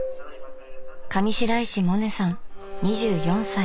上白石萌音さん２４歳。